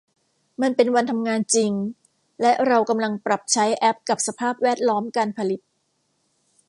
มันเป็นวันทำงานจริงและเรากำลังปรับใช้แอพกับสภาพแวดล้อมการผลิต